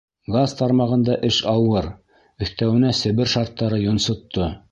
Газ тармағында эш ауыр, өҫтәүенә Себер шарттары йонсотто.